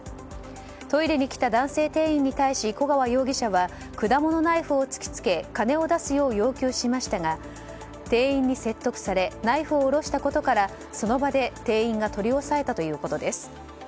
トイレに来た男性店員に対し古川容疑者は果物ナイフを突きつけ金を出すよう要求しましたが店員に説得されナイフを下したことからその場で店員が取り押さえたということです。